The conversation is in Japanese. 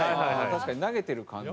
確かに投げてる感じ。